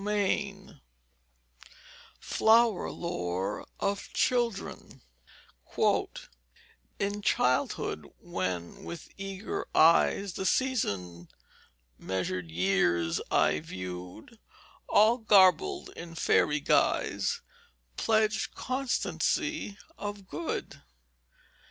CHAPTER XIX FLOWER LORE OF CHILDREN _In childhood when with eager eyes The season measured years I view'd All, garb'd in fairy guise Pledg'd constancy of good.